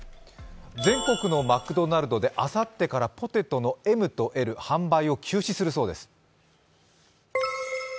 全国のマクドナルドであさってからポテトのＭとＬ販売を休止するそうです。